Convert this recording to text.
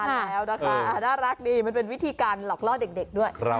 แล้วนะคะน่ารักดีมันเป็นวิธีการหลอกล่อเด็กด้วย